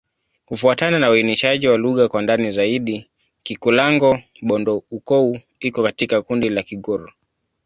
Kufuatana na uainishaji wa lugha kwa ndani zaidi, Kikulango-Bondoukou iko katika kundi la Kigur.